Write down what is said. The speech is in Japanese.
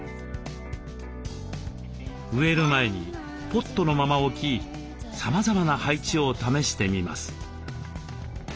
植える前にポットのまま置きさまざまな配置を試してみます。